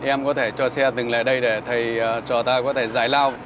em có thể cho xe dừng lại đây để thầy cho ta có thể giải lao